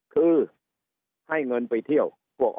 คือให้เงินไปเที่ยว